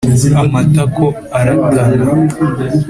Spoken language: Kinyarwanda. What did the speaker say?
Amatako aratana.